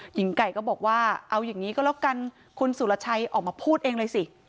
หญิงไก่ก็บอกว่าเอาอย่างนี้ก็แล้วกันคุณสุรชัยออกมาพูดเองเลยสิ